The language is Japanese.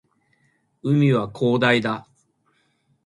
海は広大だ